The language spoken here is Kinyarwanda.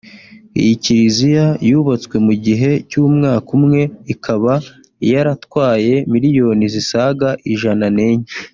Iyi Kiliziya yubatswe mu gihe cy’umwaka umwe ikaba yaratwaye miliyoni zisaga ijana n’enye